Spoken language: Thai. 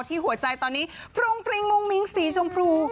หัวใจตอนนี้ฟรุ้งฟริ้งมุ้งมิ้งสีชมพู